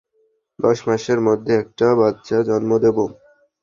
দশ মাসের মধ্যে একটা বাচ্ছা জন্ম দেব।